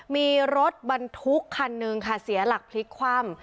มีรถบรรทุกคันหนึ่งค่ะเสียหลักพลิกคว่ำ